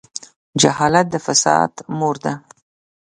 جهالت د فساد مور ده.